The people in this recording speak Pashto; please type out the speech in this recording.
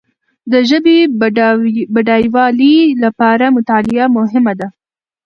د ژبي بډایوالي لپاره مطالعه مهمه ده.